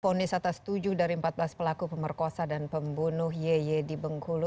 fonis atas tujuh dari empat belas pelaku pemerkosa dan pembunuh yeye di bengkulu